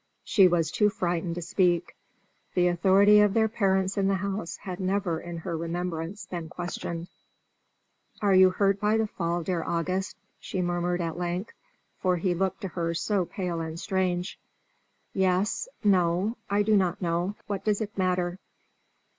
She was too frightened to speak. The authority of their parents in the house had never in her remembrance been questioned. "Are you hurt by the fall dear August?" she murmured, at length, for he looked to her so pale and strange. "Yes no. I do not know. What does it matter?"